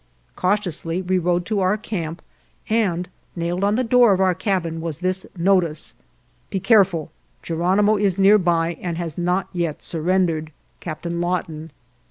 Cautiously we rode to our camp, and nailed on the door of our cabin was this notice : a BE CAREFUL, GERONIMO IS NEAR BY AND HAS NOT YET SURRENDERED. " CAPT. LAWTON."